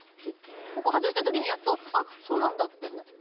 ここ外した時にやっとあ、そうなんだって。